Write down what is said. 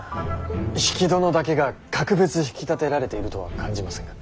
比企殿だけが格別引き立てられているとは感じませんが。